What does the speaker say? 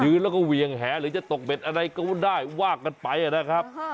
แล้วก็เวียงแหหรือจะตกเบ็ดอะไรก็ได้ว่ากันไปนะครับ